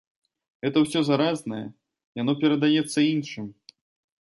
Гэта ўсё заразнае, яно перадаецца іншым.